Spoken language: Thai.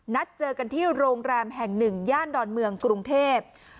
นัดเจอกันที่โรงแรมแห่งหนึ่งย่านดอนเมืองกรุงเทพ